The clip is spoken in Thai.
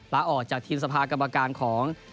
ลาออกจากทีมสภากรรมการของ